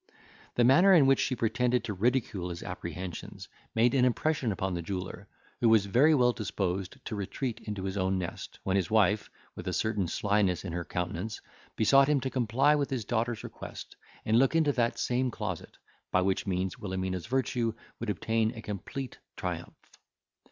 The manner in which she pretended to ridicule his apprehensions made an impression upon the jeweller, who was very well disposed to retreat into his own nest, when his wife, with a certain slyness in her countenance, besought him to comply with his daughter's request, and look into that same closet, by which means Wilhelmina's virtue would obtain a complete triumph.